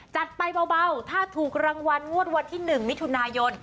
จัดไปเบาถ้าถูกรางวัลงวดวันที่๑มิถุนายน